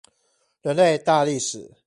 人類大歷史